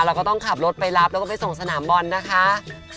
เราก็ต้องขับรถไปรับแล้วก็ไปส่งสนามบอลนะคะ